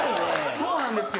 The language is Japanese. そうなんですよ。